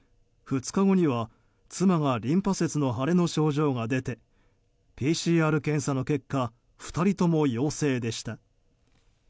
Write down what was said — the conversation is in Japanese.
２日後には、妻がリンパ節の腫れの症状が出てＰＣＲ検査の結果２人とも陽性でした。